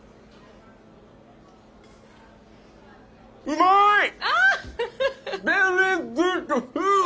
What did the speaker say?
うまい！